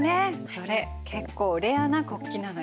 それ結構レアな国旗なのよ。